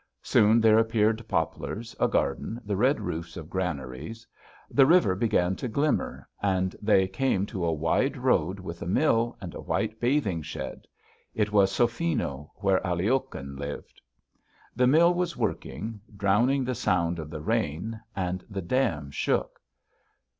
Soon there appeared poplars, a garden, the red roofs of granaries; the river began to glimmer and they came to a wide road with a mill and a white bathing shed. It was Sophino, where Aliokhin lived. The mill was working, drowning the sound of the rain, and the dam shook.